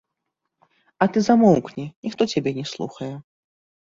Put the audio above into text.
А ты замоўкні, ніхто цябе не слухае.